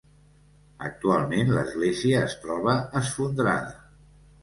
Actualment l'església es troba esfondrada.